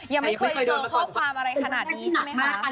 ยังไม่เคยเจอข้อความอะไรขนาดนี้ใช่ไหมคะ